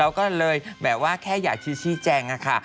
แล้วก็เลยแบบว่าแค่อยากชิแจ้งค่ะ